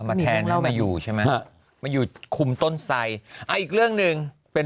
มาแทนเข้ามาอยู่ใช่ไหมฮะมาอยู่คุมต้นไส้อ่าอีกเรื่องหนึ่งเป็น